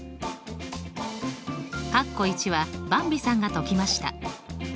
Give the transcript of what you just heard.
はばんびさんが解きました。